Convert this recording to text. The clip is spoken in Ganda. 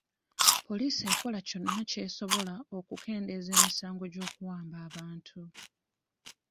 Poliisi ekola kyonna ky'esobola okukendeeza emisango gy'okuwamba abantu.